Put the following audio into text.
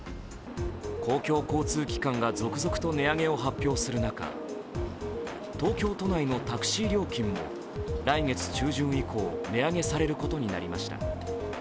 公共交通機関が続々と値上げを発表する中、東京都内のタクシー料金も来月中旬以降、値上げされることになりました。